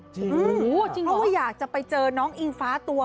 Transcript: เพราะว่าอยากจะไปเจอน้องอิงฟ้าตัว